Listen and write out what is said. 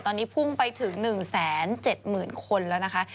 ตอนนี้พุ่งไปถึง๑๗๐๐๐คนแล้วนะคะ